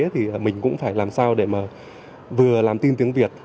thì mình cũng phải làm sao để mà vừa làm tin tiếng việt